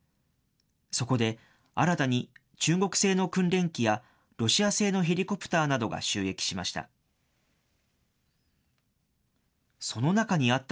そこで、新たに中国製の訓練機やロシア製のヘリコプターなどが就役しました。